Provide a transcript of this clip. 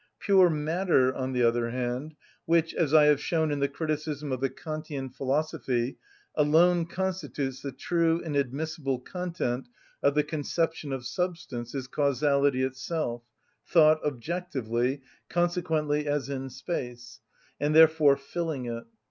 Pure matter, on the other hand, which, as I have shown in the Criticism of the Kantian Philosophy, alone constitutes the true and admissible content of the conception of substance, is causality itself, thought objectively, consequently as in space, and therefore filling it.